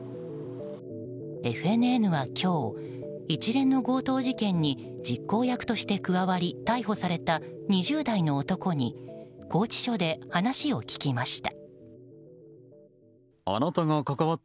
ＦＮＮは今日、一連の強盗事件に実行役として加わり逮捕された２０代の男に拘置所で話を聞きました。